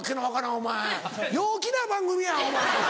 お前陽気な番組やお前！